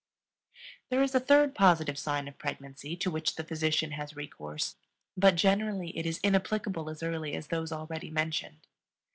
There is a third positive sign of pregnancy to which the physician has recourse, but generally it is inapplicable as early as those already mentioned.